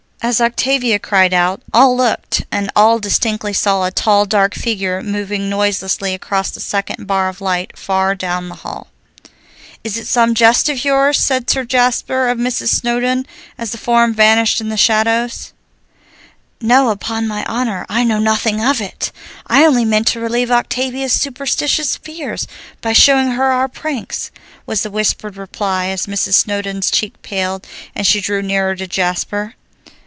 As Octavia cried out, all looked, and all distinctly saw a tall, dark figure moving noiselessly across the second bar of light far down the hall. "Is it some jest of yours?" asked Sir Jasper of Mrs. Snowdon, as the form vanished in the shadow. "No, upon my honor, I know nothing of it! I only meant to relieve Octavia's superstitious fears by showing her our pranks" was the whispered reply as Mrs. Snowdon's cheek paled, and she drew nearer to Jasper.